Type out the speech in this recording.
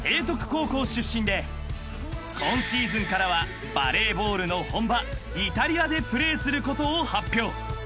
［今シーズンからはバレーボールの本場イタリアでプレーすることを発表］